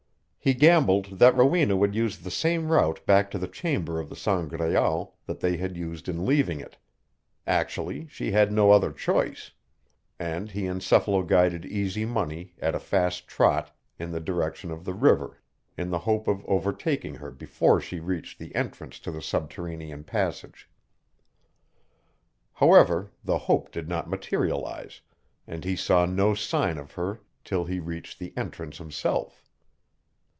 He gambled that Rowena would use the same route back to the chamber of the Sangraal that they had used in leaving it actually, she had no other choice and he encephalo guided Easy Money at a fast trot in the direction of the river in the hope of overtaking her before she reached the entrance to the subterranean passage. However, the hope did not materialize, and he saw no sign of her till he reached the entrance himself.